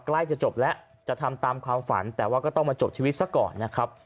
ใกล้จะจบแล้วจะทำตามความฝันแต่ว่าก็ต้องมาจบชีวิตซะก่อนนะครับ